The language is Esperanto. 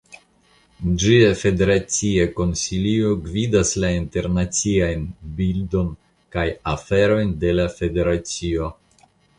Ĝia Federacia Konsilio gvidas la internaciajn bildon kaj aferojn de la Federacio.